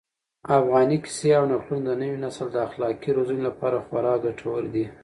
افغاني کيسې او نکلونه د نوي نسل د اخلاقي روزنې لپاره خورا ګټور دي.